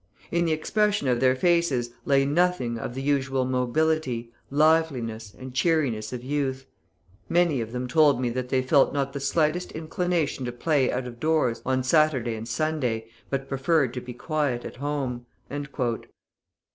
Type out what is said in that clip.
In the expression of their faces lay nothing of the usual mobility, liveliness, and cheeriness of youth. Many of them told me that they felt not the slightest inclination to play out of doors on Saturday and Sunday, but preferred to be quiet at home."